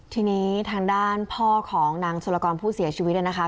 ทีนี้ทางด้านพ่อของนางสุรกรผู้เสียชีวิตเนี่ยนะคะ